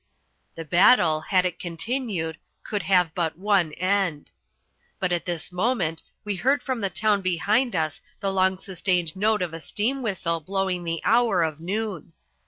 The battle, had it continued, could have but one end. But at this moment we heard from the town behind us the long sustained note of a steam whistle blowing the hour of noon.